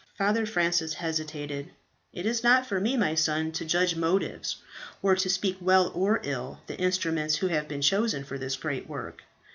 Father Francis hesitated. "It is not for me, my son, to judge motives, or to speak well or ill the instruments who have been chosen for this great work.